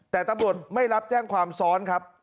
แต่ตำรวจไม่รับแจ้งความซ้อนครับ